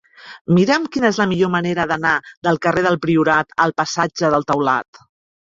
Mira'm quina és la millor manera d'anar del carrer del Priorat al passatge del Taulat.